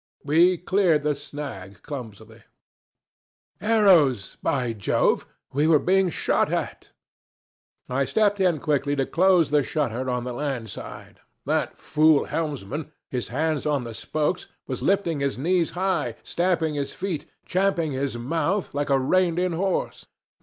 We cleared the snag clumsily. Arrows, by Jove! We were being shot at! I stepped in quickly to close the shutter on the land side. That fool helmsman, his hands on the spokes, was lifting his knees high, stamping his feet, champing his mouth, like a reined in horse.